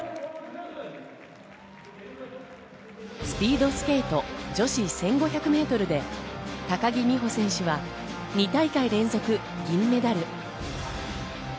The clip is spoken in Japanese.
スピードスケート女子１５００メートルで高木美帆選手は２大会連続、銀メダル。